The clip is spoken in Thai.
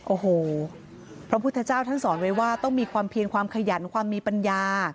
โอ้โหพระพุทธเจ้าท่านสอนไว้ว่าต้องมีความเพียงความขยันความมีปัญญา